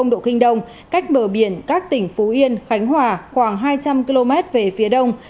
một trăm một mươi một độ kinh đông cách bờ biển các tỉnh phú yên khánh hòa khoảng hai trăm linh km về phía đông